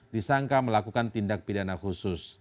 disangka melakukan tindak pidana khusus